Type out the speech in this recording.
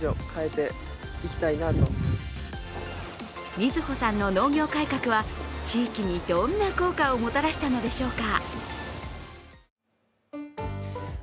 瑞穂さんの農業改革は地域にどんな効果をもたらしたのでしょうか。